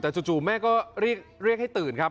แต่จู่แม่ก็เรียกให้ตื่นครับ